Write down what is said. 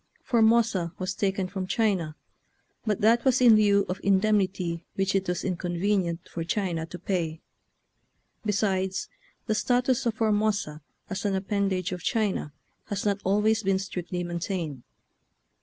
Formosa was taken from China, but that was in lieu of indemnity which it was inconvenient for China to pay ; besides, the status of For mosa as an appendage of China has not always been strictly maintained.